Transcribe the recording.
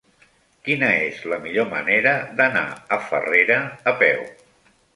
Quina és la millor manera d'anar a Farrera a peu?